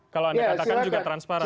kalau anda katakan juga transparan